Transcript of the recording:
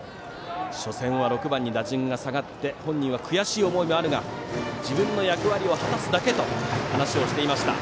初戦は６番に打順が下がって本人は、悔しい思いもあるが自分の役割を果たすだけと話をしていました。